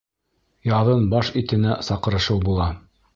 Яҙын баш итенә саҡырышыу була.